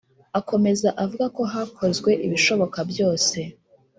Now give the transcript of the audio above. akomeza avuga ko hakozwe ibishoboka byose